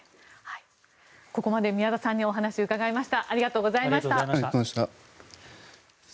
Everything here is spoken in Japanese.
ここまで宮田さんにお話を伺いました。